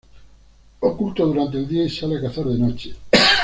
Oculto durante el día y sale a cazar de noche.